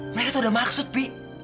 mereka tuh udah maksud bi